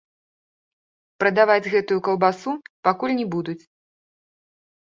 Прадаваць гэтую каўбасу пакуль не будуць.